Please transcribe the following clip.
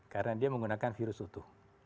karena dia menggunakan virus utuh